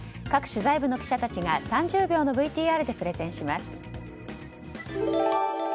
各取材部の記者たちが３０秒のＶＴＲでプレゼンします。